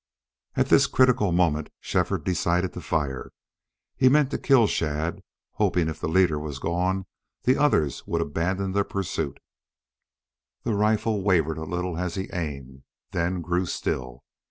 At this critical moment Shefford decided to fire. He meant to kill Shadd, hoping if the leader was gone the others would abandon the pursuit. The rifle wavered a little as he aimed, then grew still.